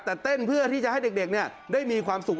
แต่เต้นเพื่อที่จะให้เด็กได้มีความสุข